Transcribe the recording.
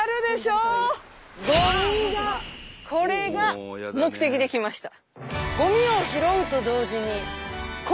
これが目的で来ました。